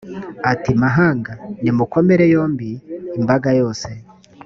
ati; mahanga, nimukomere yombi imbaga yose.